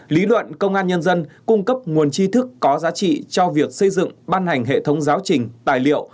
lý luận công an nhân dân cung cấp nguồn chi thức có giá trị cho việc xây dựng ban hành hệ thống giáo trình tài liệu